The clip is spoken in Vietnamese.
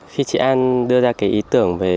khi chị an đưa ra cái ý tưởng về